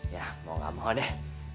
ya mau gak mau deh